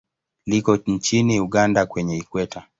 Liko nchini Uganda kwenye Ikweta.